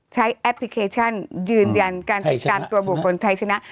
แอปพลิเคชันยืนยันการติดตามตัวบุคคลไทยชนะ